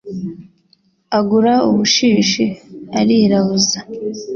agura ubushishi arirabuza